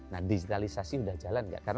nah digitalisasi sudah jalan